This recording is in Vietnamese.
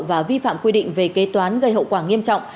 và vi phạm quy định về kế toán gây hậu quả nghiêm trọng